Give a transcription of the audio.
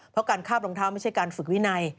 เพราะการคาบรองเท้าไม่ใช่การฝึกวินัย